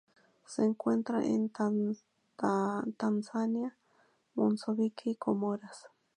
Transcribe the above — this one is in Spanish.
Se encuentra en Tanzania, Mozambique y Comoras.